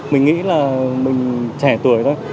mình nghĩ là mình trẻ tuổi thôi